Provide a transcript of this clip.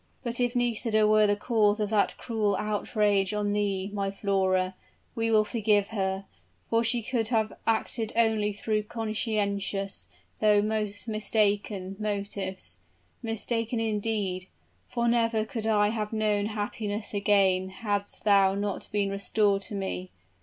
"But if Nisida were the cause of that cruel outrage on thee, my Flora, we will forgive her for she could have acted only through conscientious, though most mistaken, motives. Mistaken, indeed! for never could I have known happiness again hadst thou not been restored to me.